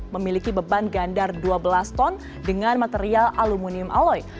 memiliki beban gandar dua belas ton dengan material aluminium aloy